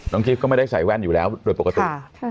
กิฟต์ก็ไม่ได้ใส่แว่นอยู่แล้วโดยปกติ